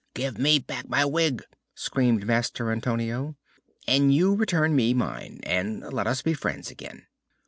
"Give me back my wig," screamed Master Antonio. "And you, return me mine, and let us be friends again."